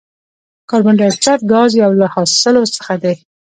کاربن ډای اکساید ګاز یو له حاصلو څخه دی.